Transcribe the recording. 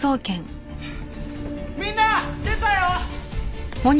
みんな出たよ！